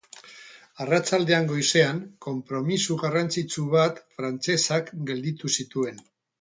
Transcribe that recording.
Arratsaldean goizean, konpromiso garrantzitsu bat frantsesak gelditu zituen.